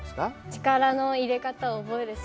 力の入れ方を覚えるしかない。